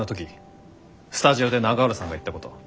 スタジオで永浦さんが言ったこと。